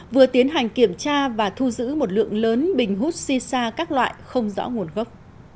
vừa tiến hành kiểm tra và thu giữ một lượng lớn bình hút xì xa các loại không rõ nguồn gốc